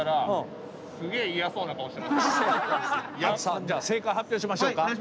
じゃあ正解発表しましょうか。